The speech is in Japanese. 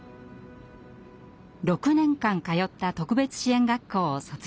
６年間通った特別支援学校を卒業。